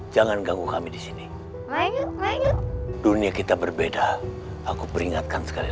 jangan ganggu kami di sini main main dunia kita berbeda aku peringatkan sekali lagi